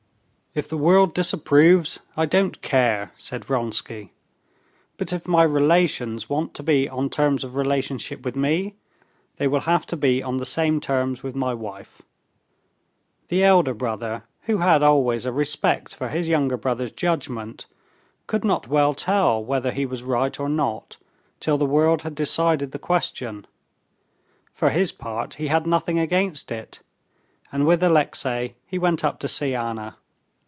"If the world disapproves, I don't care," said Vronsky; "but if my relations want to be on terms of relationship with me, they will have to be on the same terms with my wife." The elder brother, who had always a respect for his younger brother's judgment, could not well tell whether he was right or not till the world had decided the question; for his part he had nothing against it, and with Alexey he went up to see Anna.